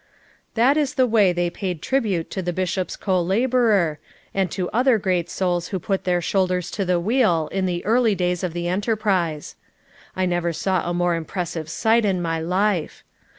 That is the way they paid tribute to the Bishop's co laborer, and to other great souls who put their shoulders to the wheel in the early days of the enterprise. I never saw a more impressive sight in my life.